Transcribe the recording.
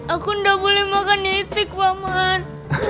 aku gak boleh makan nitik pak man